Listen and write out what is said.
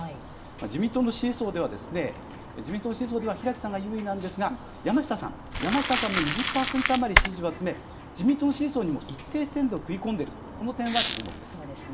自民党の支持層では、自民党の支持層では平木さんが優位なんですが、山下さん、山下さんも２０％余り支持を集め、自民党の支持層にも一定程度、食い込んでいると、この点は注目です。